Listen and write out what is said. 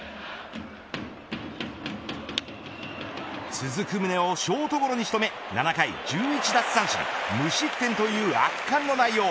続く宗をショートゴロに仕留め７回１１奪三振無失点という圧巻の内容。